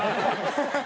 ハハハハ！